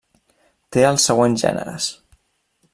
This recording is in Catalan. Té els següents gèneres.